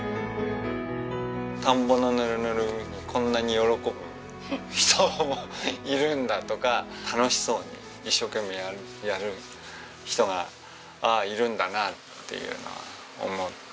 田んぼのヌルヌルにこんなに喜ぶ人もいるんだとか楽しそうに一生懸命やる人があっいるんだなっていうのは思いましたね。